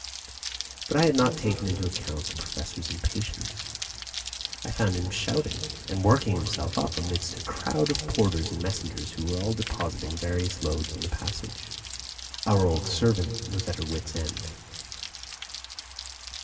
But I had not taken into account the Professor's impatience. I found him shouting and working himself up amidst a crowd of porters and messengers who were all depositing various loads in the passage. Our old servant was at her wits' end.